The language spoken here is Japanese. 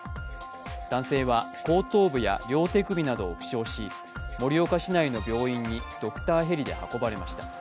男性は後頭部や両手首などを負傷し盛岡市内の病院にドクターヘリで運ばれました。